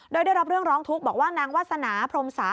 โดยได้รับเรื่องร้องทุกข์บอกว่านางวาสนาพรมศา